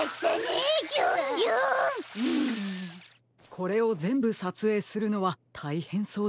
これをぜんぶさつえいするのはたいへんそうですね。